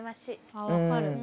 あ分かる。